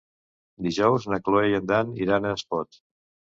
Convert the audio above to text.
Dijous na Cloè i en Dan iran a Espot.